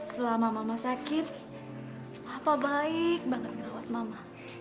selama mama sakit apa baik banget ngerawat mama